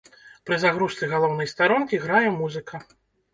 Пры загрузцы галоўнай старонкі грае музыка.